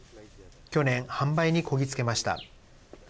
去年、販売にこぎ着けました。